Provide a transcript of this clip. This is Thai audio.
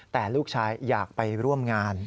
แต่ลูกชายอยากไปร่วมงาน